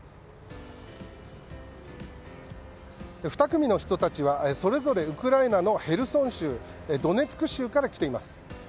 ２組の人たちは、それぞれウクライナのヘルソン州ドネツク州から来ています。